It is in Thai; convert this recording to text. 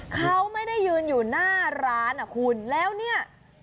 เขาไม่ได้ยืนอยู่หน้าร้านอ่ะคุณแล้วเนี่ย